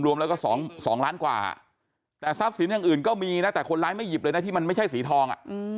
รวมแล้วก็๒ล้านกว่าแต่ทรัพย์สินอย่างอื่นก็มีนะแต่คนร้ายไม่หยิบเลยนะที่มันไม่ใช่สีทอง